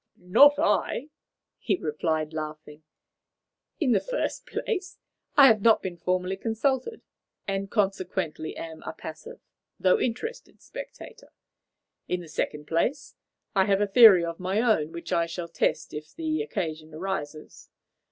"Not I," he replied, laughing. "In the first place, I have not been formally consulted, and consequently am a passive, though interested, spectator. In the second place, I have a theory of my own which I shall test if the occasion arises.